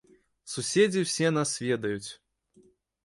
Суседзі ўсе нас ведаюць.